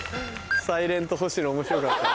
サイレントほしの面白かったな。